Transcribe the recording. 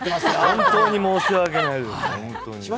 本当に申し訳ないです。